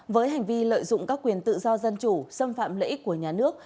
với hành vi lợi dụng các quyền tự do dân chủ xâm phạm lợi ích của nhà nước